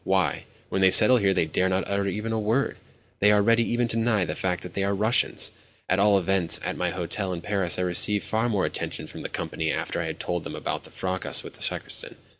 Why, when they settle here they dare not utter even a word—they are ready even to deny the fact that they are Russians! At all events, at my hotel in Paris I received far more attention from the company after I had told them about the fracas with the sacristan.